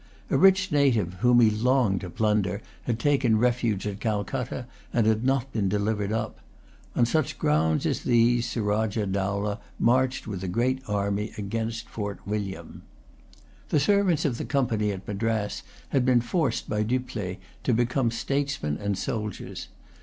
A rich native, whom he longed to plunder, had taken refuge at Calcutta, and had not been delivered up. On such grounds as these Surajah Dowlah marched with a great army against Fort William. The servants of the Company at Madras had been forced by Dupleix to become statesmen and soldiers.